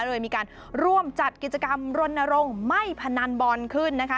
เลยมีการร่วมจัดกิจกรรมรณรงค์ไม่พนันบอลขึ้นนะคะ